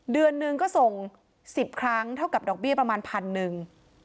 เดือนหนึ่งก็ส่ง๑๐ครั้งเท่ากับดอกเบี้ยประมาณพันหนึ่ง